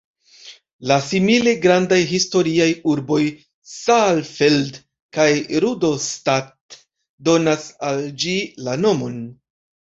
La simile grandaj historiaj urboj Saalfeld kaj Rudolstadt donas al ĝi la nomon.